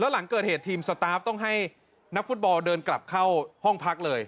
หลังเกิดเหตุทีมสตาฟต้องให้นักฟุตบอลเดินกลับเข้าห้องพักเลย